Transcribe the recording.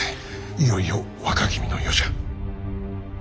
いよいよ若君の世じゃ。